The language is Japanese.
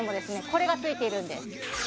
これがついているんです